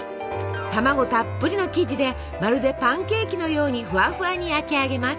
卵たっぷりの生地でまるでパンケーキのようにフワフワに焼き上げます。